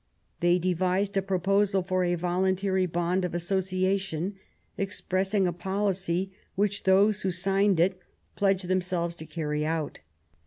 They devised a proposal for a voluntary bond of association, expressing a policy which those who signed it pledged themselves to carry out.